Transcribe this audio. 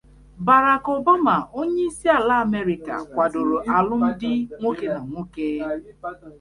Barack Obama, onye isi ala Amerika kwadoro alum di nwoke na nwoke